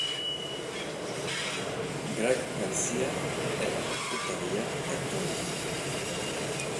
Greg García è, tuttavia, cattolico.